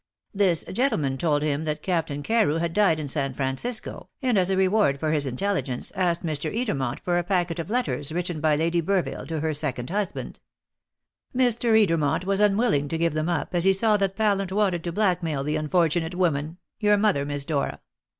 This gentleman told him that Captain Carew had died in San Francisco, and as a reward for his intelligence asked Mr. Edermont for a packet of letters written by Lady Burville to her second husband. Mr. Edermont was unwilling to give them up, as he saw that Pallant wanted to blackmail the unfortunate woman your mother, Miss Dora.